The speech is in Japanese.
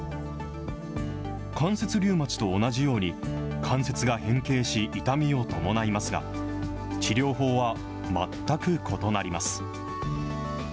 関節リウマチと同じように、関節が変形し、痛みを伴いますが、治療法は全く異なります。